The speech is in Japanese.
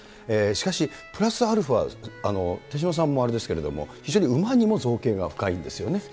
しかしプラスアルファ、手嶋さんもあれですけれども、非常に馬にも造詣が深いんですよね。